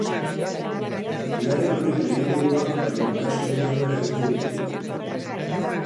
Bigarren honek lehenengoak baino kasu gehiago eragiten ditu.